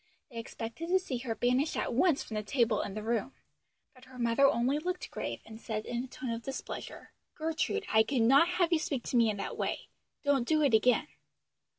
They expected to see her banished at once from the table and the room; but her mother only looked grave and said in a tone of displeasure, "Gertrude, I cannot have you speak to me in that way Don't do it again."